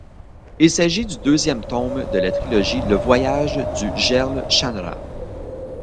Il s'agit du deuxième tome de la trilogie Le Voyage du Jerle Shannara.